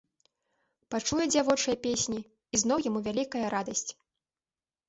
Пачуе дзявочыя песні, і зноў яму вялікая радасць.